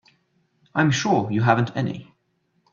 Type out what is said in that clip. I'm sure you haven't any.